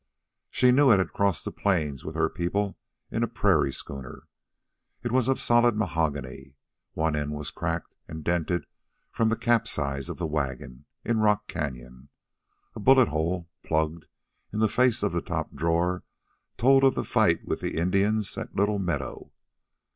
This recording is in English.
She knew it had crossed the plains with her people in a prairie schooner. It was of solid mahogany. One end was cracked and dented from the capsize of the wagon in Rock Canyon. A bullet hole, plugged, in the face of the top drawer, told of the fight with the Indians at Little Meadow.